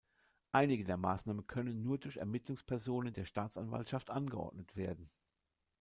Einige der Maßnahmen können nur durch Ermittlungspersonen der Staatsanwaltschaft angeordnet werden.